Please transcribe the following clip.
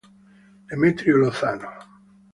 Demetrio Lozano